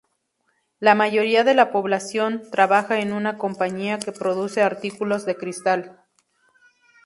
La mayoría de la población trabaja en una compañía que produce artículos de cristal.